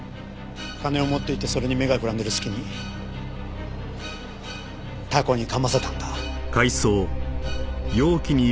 金を持っていってそれに目がくらんでいる隙にタコに噛ませたんだ。